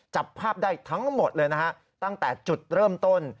จับภาพได้ทั้งหมดเลยนะฮะตั้งแต่จุดเริ่มต้น